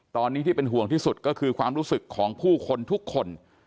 ตอนนี้ที่เป็นห่วงที่สุดก็คือความรู้สึกของผู้คนทุกคน